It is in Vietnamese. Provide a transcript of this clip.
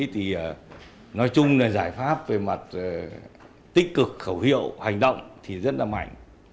thì nói chung là giải pháp về mặt tích cực khẩu hiệu hành động thì rất là mạnh